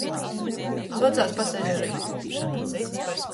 Suocās pasažeru īkuopšona!